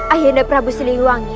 ayah anda prabu siliwangi